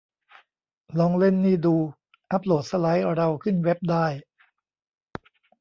ลองเล่นนี่ดู อัปโหลดสไลด์เราขึ้นเว็บได้